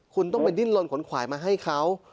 คุณต้องไปดิ้นลนขนขวายมาให้เขา